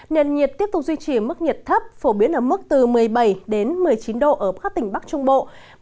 nền nhiệt tiếp tục duy trì ở mức nhiệt thấp phổ biến ở mức từ một mươi bảy đến một mươi chín độ ở các tỉnh bắc trung bộ